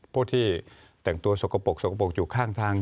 พวกที่แต่งตัวสกปรกสกปรกอยู่ข้างทาง